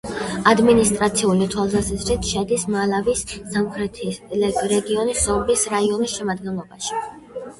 ადმინისტრაციული თვალსაზრისით შედის მალავის სამხრეთი რეგიონის ზომბის რაიონის შემადგენლობაში.